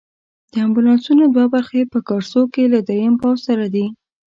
د امبولانسونو دوه برخې په کارسو کې له دریم پوځ سره دي.